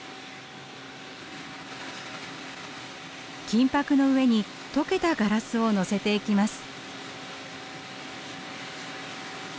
金ぱくの上に溶けたガラスをのせていきます。